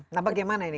nah bagaimana ini